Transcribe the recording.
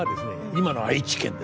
今の愛知県ですね